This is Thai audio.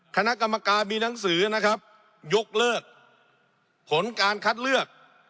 คณะกรรมการมีหนังสือนะครับยกเลิกผลการคัดเลือก